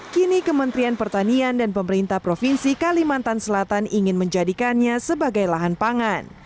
kini kementerian pertanian dan pemerintah provinsi kalimantan selatan ingin menjadikannya sebagai lahan pangan